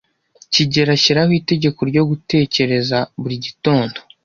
kigeli ashyiraho itegeko ryo gutekereza buri gitondo.